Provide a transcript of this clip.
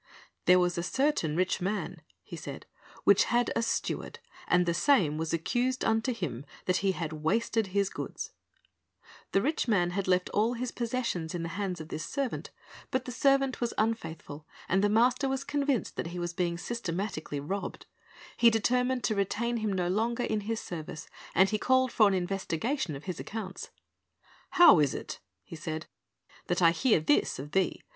"There was a certain rich man," He said, "which had a steward; and the same was accused unto him that he had wasted his goods." The rich man had left all his posses sions in the hands of this servant ; but the servant was (366) Based on Luke 161 0 " Th c Ma 7)1 m o ii of U n )■ i (^ Jit c on s n c s s ' 367 unfaithful, and the master was convinced that he was being systematically robbed. He determined to retain him no longer in his service, and he called for an investigation of his accounts. "How is it," he said, "that I hear this of thee